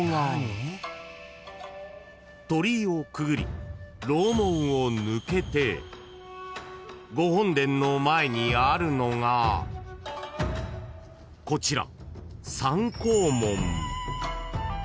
［鳥居をくぐり楼門を抜けてご本殿の前にあるのがこちら］